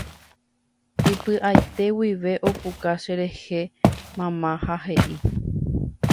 Ipy'aite guive opuka cherehe mama ha he'i.